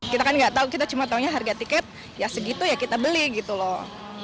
kita kan nggak tahu kita cuma tahunya harga tiket ya segitu ya kita beli gitu loh